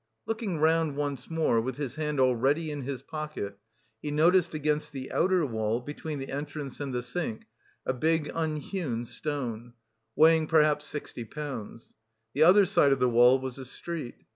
Looking round once more, with his hand already in his pocket, he noticed against the outer wall, between the entrance and the sink, a big unhewn stone, weighing perhaps sixty pounds. The other side of the wall was a street.